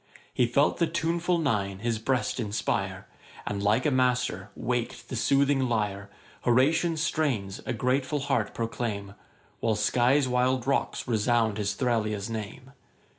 He felt the tuneful Nine his breast inspire, And, like a master, wak'd the soothing lyre: Horatian strains a grateful heart proclaim, While Sky's wild rocks resound his Thralia's name.